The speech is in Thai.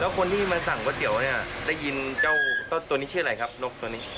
คนที่มาสั่งก๋วยเตี๋ยวเนี่ยได้ยินเจ้าตัวนี้ชื่ออะไรครับนกตัวนี้